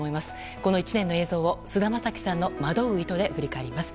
この１年の映像を菅田将暉さんの「惑う糸」で振り返ります。